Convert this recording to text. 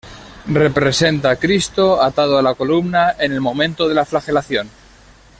Representa a Cristo atado a la columna en el momento de la flagelación.